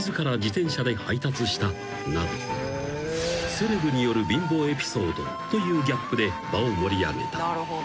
［セレブによる貧乏エピソードというギャップで場を盛り上げた］